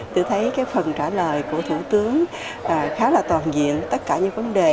tôi thấy phần trả lời của thủ tướng khá là toàn diện tất cả những vấn đề